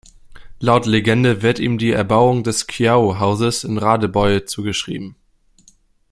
Laut Legende wird ihm die Erbauung des Kyau-Hauses in Radebeul zugeschrieben.